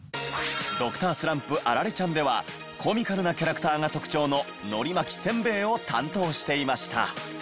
『Ｄｒ．スランプアラレちゃん』ではコミカルなキャラクターが特徴の則巻センベエを担当していました。